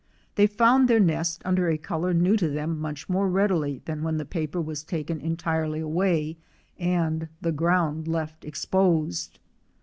They found their nest under a color new to them much more readily than when the paper was taken entirely away and the ground left exposed.